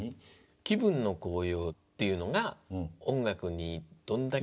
気分の高揚っていうのが音楽にどんだけ。